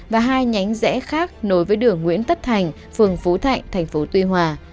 và hai nhánh rẽ khác nối với đường nguyễn tất thành phường phú thạnh tp tuy hòa